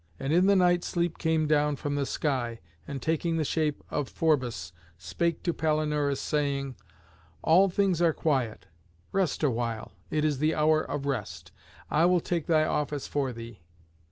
And in the night Sleep came down from the sky, and taking the shape of Phorbas, spake to Palinurus, saying, "All things are quiet; rest awhile: it is the hour of rest. I will take thy office for thee."